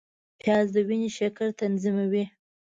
پیاز د وینې شکر تنظیموي